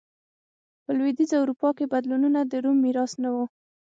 په لوېدیځه اروپا کې بدلونونه د روم میراث نه و.